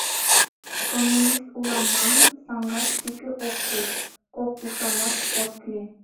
Коммунист улам манын, саҥгаш тӱкӧ ок куш, кок ушанат от лий.